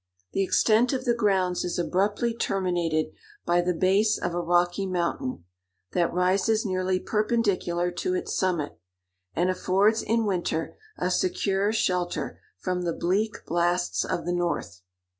The extent of the grounds is abruptly terminated by the base of a rocky mountain, that rises nearly perpendicular to its summit, and affords in winter a secure shelter from the bleak blasts of the north.